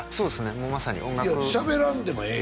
もうまさに音楽「しゃべらんでもええ」